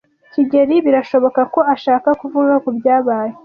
kigeli birashoboka ko ashaka kuvuga kubyabaye.